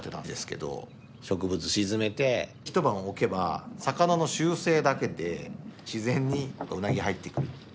植物沈めて一晩置けば魚の習性だけで自然にウナギが入ってくる。